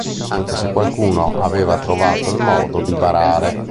Anche se qualcuno aveva trovato il modo di barare...